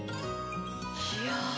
いや